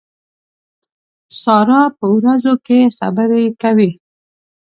سارا په وروځو خبرې کوي.